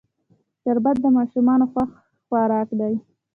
شربت د ماشومانو خوښ خوراک دی